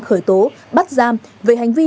khởi tố bắt giam về hành vi